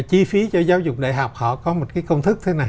chi phí cho giáo dục đại học họ có một cái công thức thế nào